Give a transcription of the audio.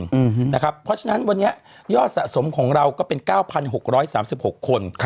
เพราะฉะนั้นวันนี้ยอดสะสมของเราก็เป็น๙๖๓๖คน